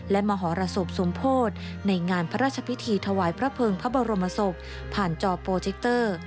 และมหรสบสมโพธิในงานพระราชพิธีถวายพระเภิงพระบรมศพผ่านจอโปรเจคเตอร์